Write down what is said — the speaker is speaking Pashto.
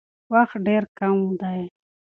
وخت ډېر کم دی.